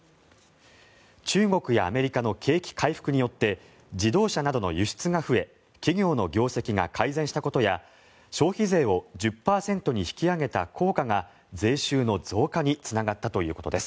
中国やアメリカの景気回復によって自動車などの輸出が増え企業の業績が改善したことや消費税を１０％に引き上げた効果が税収の増加につながったということです。